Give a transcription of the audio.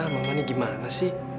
mama ini gimana sih